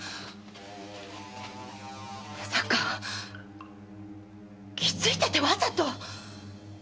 まさか気づいててわざと？